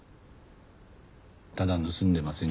ただ「盗んでません」